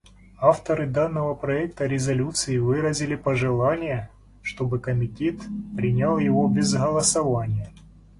Авторы данного проекта резолюции выразили пожелание, чтобы Комитет принял его без голосования.